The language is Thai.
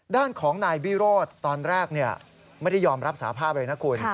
ด้านของนายวิโรธตอนแรกไม่ได้ยอมรับสาภาพเลยนะคุณ